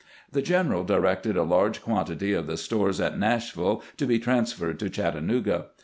The general directed a large quantity of the stores at Nashville to be trans ferred to Chattanooga.